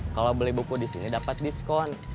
kalau beli buku di sini dapat diskon